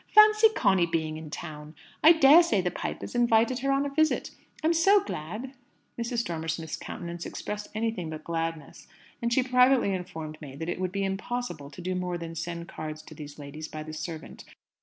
"Fancy Conny being in town! I dare say the Pipers invited her on a visit. I'm so glad!" Mrs. Dormer Smith's countenance expressed anything but gladness; and she privately informed May that it would be impossible to do more than send cards to these ladies by the servant.